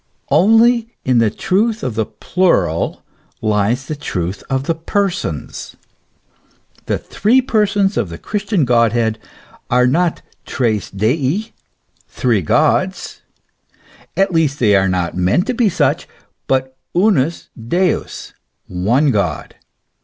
Only in the truth of the plural lies the truth of the Persons. The three persons of the Christian Godhead are not tres Dii, three Gods ; at least they are not meant to be such ; but unus Deus, one God.